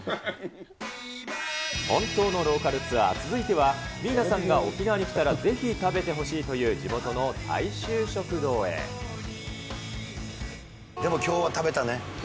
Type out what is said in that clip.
本当のローカルツアー、続いては、ミーナさんが、沖縄に来たらぜひ食べてほしいという、でも、きょうは食べたね。